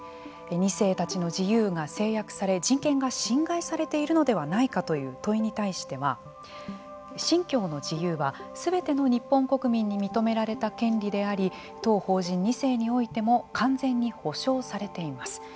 ２世たちの自由が制約され人権が侵害されているのではないかという問いに対しては信教の自由はすべての日本国民に認められた権利であり当法人２世においても完全に保障されています。